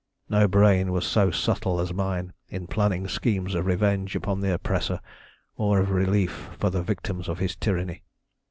No brain was so subtle as mine in planning schemes of revenge upon the oppressor, or of relief for the victims of his tyranny.